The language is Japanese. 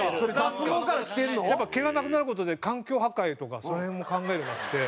やっぱり毛がなくなる事で環境破壊とかその辺も考えるようになって。